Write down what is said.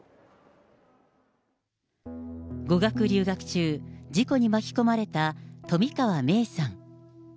語学留学中、事故に巻き込まれた冨川芽生さん。